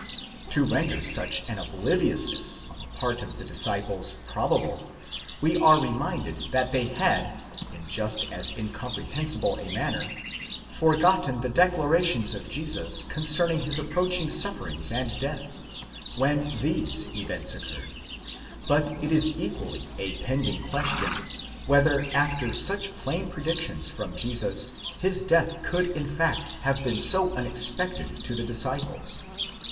To render such an obliviousness on the part of the disciples probable, we are reminded that they had, in just as incomprehensible a manner, forgotten the declarations of Jesus concerning his approaching sufferings and death, when these events occurred ;! but it is equally a pending question, whether after such plain predictions from Jesus, his death could in fact have been so unexpec ted to the disciples.